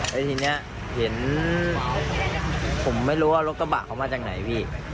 แล้วทีนี้เห็นผมไม่รู้ว่ารถกระบะเขามาจากไหนพี่